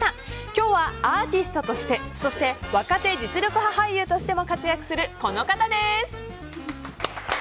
今日はアーティストとしてそして若手実力派俳優としても活躍する、この方です。